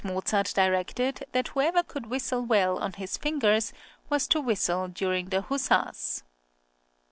Mozart directed that whoever could whistle well on his fingers, was to whistle during the huzzas.